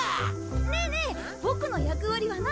ねえねえボクの役割は何？